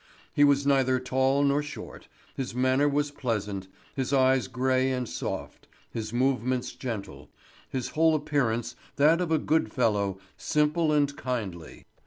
He was neither tall nor short, his manner was pleasant, his eyes gray and soft, his movements gentle, his whole appearance that of a good fellow, simple and kindly.